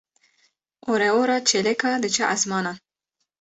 Oreora çêlekê diçe esmanan.